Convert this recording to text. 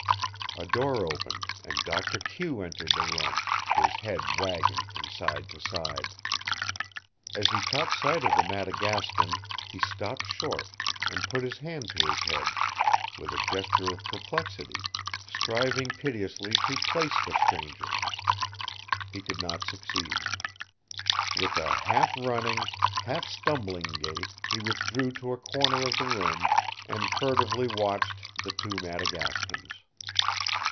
A door opened and Doctor Q entered the room, his head wagging from side to side. As he caught sight of the Madagascan he stopped short and put his hand to his head with a gesture of perplexity, striving piteously to place the stranger. He could not succeed. With a half running, half stumbling gait he withdrew to a corner of the room and furtively watched the two Madagascans.